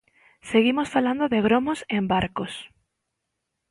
Seguimos falando de gromos en barcos.